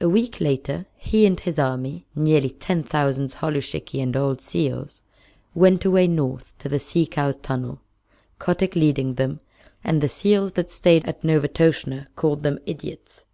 A week later he and his army (nearly ten thousand holluschickie and old seals) went away north to the Sea Cow's tunnel, Kotick leading them, and the seals that stayed at Novastoshnah called them idiots.